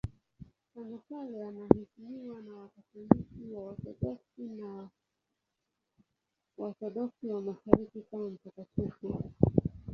Tangu kale anaheshimiwa na Wakatoliki, Waorthodoksi na Waorthodoksi wa Mashariki kama mtakatifu.